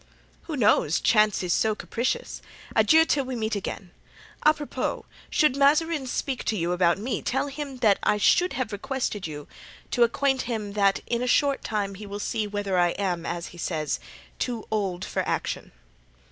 "Who knows? Chance is so capricious. Adieu, till we meet again! Apropos, should Mazarin speak to you about me, tell him that I should have requested you to acquaint him that in a short time he will see whether I am, as he says, too old for action."